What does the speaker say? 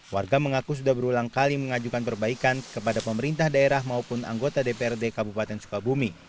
warga mengaku sudah berulang kali mengajukan perbaikan kepada pemerintah daerah maupun anggota dprd kabupaten sukabumi